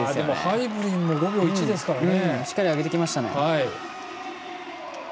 ハイブリンも５秒１ですからね。